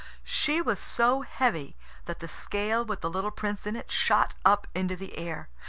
She was so heavy that the scale with the little Prince in it shot up into the air.